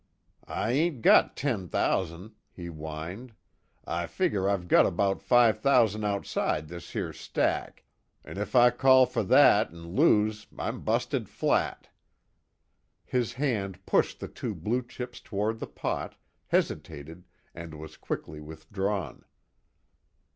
"I ain't got ten thousan'," he whined, "I figger I've got about five thousan' outside this here stack, an' if I call fer that an' lose I'm busted flat." His hand pushed the two blue chips toward the pot, hesitated, and was quickly withdrawn.